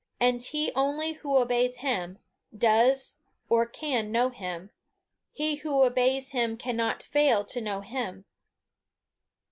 And he only who obeys him, does or can know him; he who obeys him cannot fail to know him.